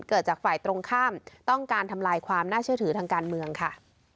เกิดจากฝ่ายตรงข้ามต้องการทำลายความน่าเชื่อถือทางการเมืองค่ะ